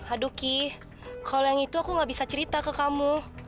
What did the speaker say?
aduh ki kalau yang itu aku gak bisa cerita ke kamu